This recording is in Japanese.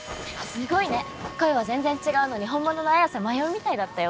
すごいね声は全然違うのに本物の礼瀬マヨイみたいだったよ